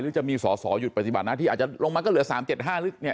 หรือจะมีสสหยุดปฏิบัตินาที่อาจจะลงมาก็เหลือ๓๗๕หรือ